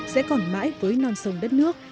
sẽ còn mãi với non sông đất nước